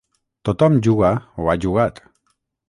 Tothom juga o ha jugat.